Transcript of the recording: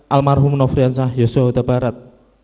almarhum nofriansah yosua utabarat